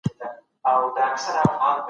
د اولاد روزنه تر ټولو لوی مسوولیت دی.